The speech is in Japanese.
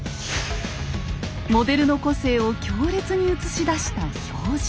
モデルの個性を強烈に写し出した表情。